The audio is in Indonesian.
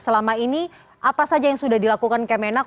selama ini apa saja yang sudah dilakukan kemenak